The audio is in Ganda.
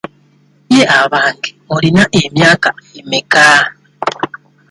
Ye abange olina emyaka emeka?